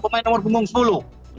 pemain nomor punggung sepuluh